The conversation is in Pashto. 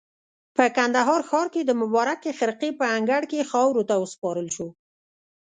په کندهار ښار کې د مبارکې خرقې په انګړ کې خاورو ته وسپارل شو.